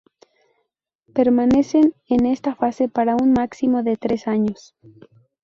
Permanecen en esta fase para un máximo de tres años.